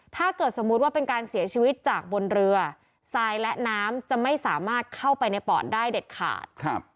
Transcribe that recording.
ถ้าเกิดสมมุติว่าเป็นการเสียชีวิตจากบนเรือทรายและน้ำจะไม่สามารถเข้าไปในปอดได้เด็ดขาด